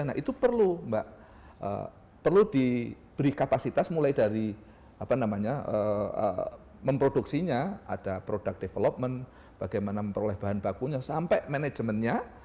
nah itu perlu mbak perlu diberi kapasitas mulai dari memproduksinya ada product development bagaimana memperoleh bahan bakunya sampai manajemennya